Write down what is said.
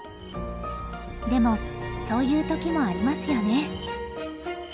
でもそういう時もありますよね。